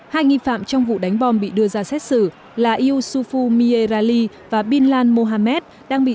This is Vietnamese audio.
hai nghi phạm trong vụ đánh bom bị đưa ra xét xử là yusufu mierali và binlan mohamed đang bị